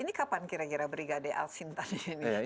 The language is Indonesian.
ini kapan kira kira brigade al sintan ini